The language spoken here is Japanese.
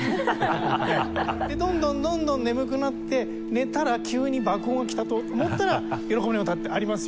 でどんどんどんどん眠くなって寝たら急に爆音がきたと思ったら『喜びの歌』ってありますよね。